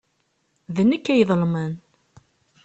D nekk ay iḍelmen.